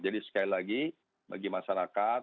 jadi sekali lagi bagi masyarakat